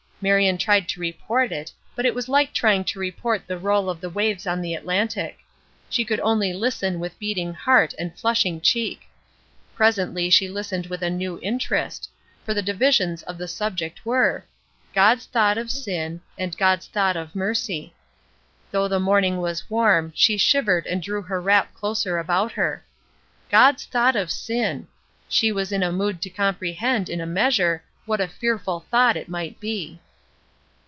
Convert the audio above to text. Marion tried to report it, but it was like trying to report the roll of the waves on the Atlantic; she could only listen with beating heart and flushing cheek. Presently she listened with a new interest, for the divisions of the subject were: "God's thought of sin," and "God's thought of mercy." Though the morning was warm, she shivered and drew her wrap closer about her. "God's thought of sin! She was in a mood to comprehend in a measure what a fearful thought it might be.